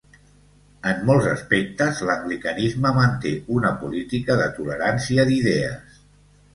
En molts aspectes l'anglicanisme manté una política de tolerància d'idees.